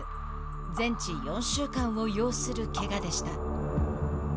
全治４週間を要するけがでした。